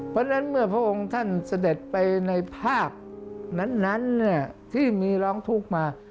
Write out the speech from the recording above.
เพราะฉะนั้นเมื่อพระองค์ท่านเสด็จไปในภาพนั้นที่มีร้องทุกข์มา